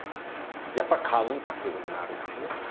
やっぱり買うってことになるんですね。